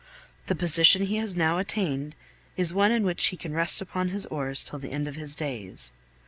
The position he has now attained is one in which he can rest upon his oars till the end of his days.